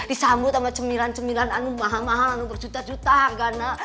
disambut sama cemilan cemilan anu mahal mahal anu berjuta juta hargana